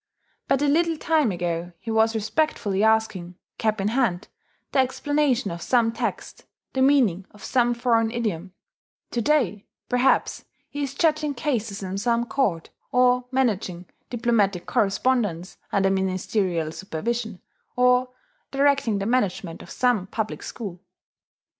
But a little time ago he was respectfully asking, cap in hand, the explanation of some text, the meaning of some foreign idiom; to day, perhaps, he is judging cases in some court, or managing diplomatic correspondence under ministerial supervision, or directing the management of some public school.